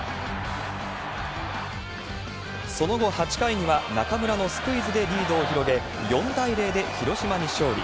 その後、８回には中村のスクイズでリードを広げ、４対０で広島に勝利。